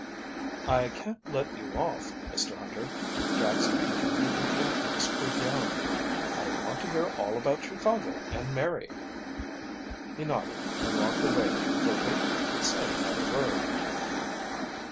"I can't let you off, Mr Hunter," Jackson continued with the utmost cordiality. "I want to hear all about Chicago and Mary." He nodded and walked away before Bateman could say another word.